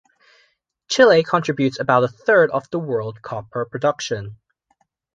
Chile contributes about a third of the world copper production.